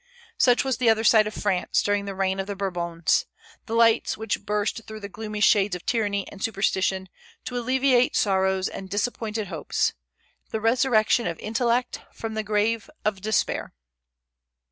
Such was the other side of France during the reign of the Bourbons, the lights which burst through the gloomy shades of tyranny and superstition, to alleviate sorrows and disappointed hopes, the resurrection of intellect from the grave of despair.